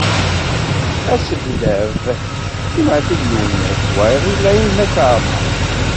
Asebddad i Matub Lwennas wayeḍ i Laymac Aɛmaṛ.